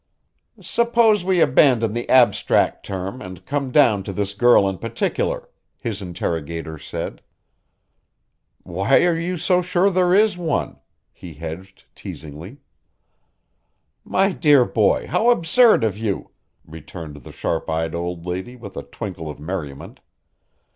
"Suppose we abandon the abstract term and come down to this girl in particular," his interrogator said. "Why are you so sure there is one?" he hedged teasingly. "My dear boy, how absurd of you!" returned the sharp eyed old lady with a twinkle of merriment.